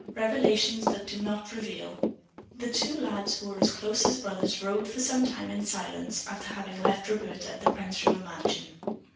REVELATIONS THAT DO NOT REVEAL The two lads who were close as brothers rode for some time in silence after having left Roberta at the Pensinger mansion.